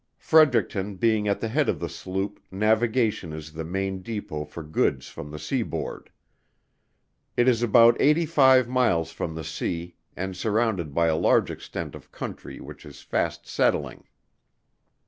Fredericton being at the head of the sloop navigation is the main depot for goods from the seaboard. It is about eighty five miles from the sea and surrounded by a large extent of country which is fast settling.